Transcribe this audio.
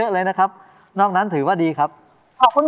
สร้ามเยอะเลยนะครับหรอกนี้ถือว่าดีครับขอบคุณ